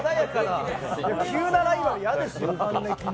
急なライバル嫌ですよ、還暦の。